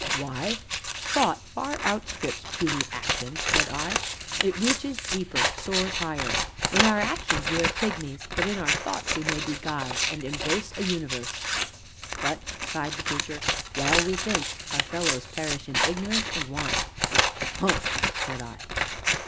"Why, Thought far outstrips puny Action!" said I "it reaches deeper, soars higher; in our actions we are pigmies, but in our thoughts we may be gods, and embrace a universe." "But," sighed the Preacher, "while we think, our fellows perish in ignorance and want!" "Hum!" said I.